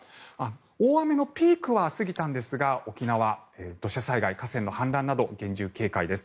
大雨のピークは過ぎたんですが沖縄は土砂災害、河川の氾濫など厳重警戒です。